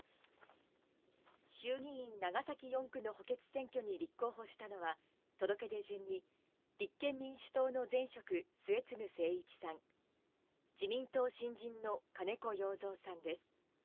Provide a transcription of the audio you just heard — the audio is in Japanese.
衆議院長崎４区の補欠選挙に立候補したのは、届け出順に、立憲民主党の前職、末次精一さん、自民党新人の金子容三さんです。